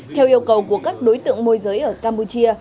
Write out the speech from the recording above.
theo yêu cầu của các đối tượng môi giới ở campuchia